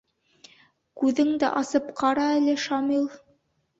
-Күҙеңде асып ҡара әле, Шамил.